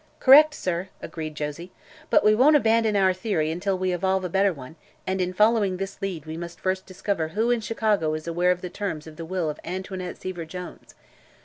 "Correct, sir," agreed Josie. "But we won't abandon our theory until we evolve a better one and in following this lead we must first discover who in Chicago is aware of the terms of the will of Antoinette Seaver Jones.